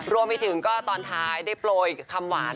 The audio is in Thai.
รวมไปถึงก็ตอนท้ายได้โปรยคำหวาน